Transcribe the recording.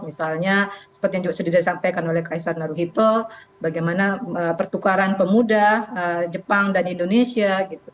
misalnya seperti yang sudah disampaikan oleh kaisar naruhito bagaimana pertukaran pemuda jepang dan indonesia